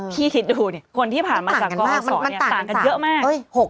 พี่คิดดูนี่คนที่ผ่านมาสากรศรต่างกันเยอะมาก